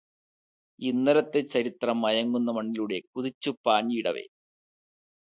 ഇന്നലത്തെ ചരിത്രം മയങ്ങുന്ന മണ്ണിലൂടെ കുതിച്ചുപാഞ്ഞീടവെ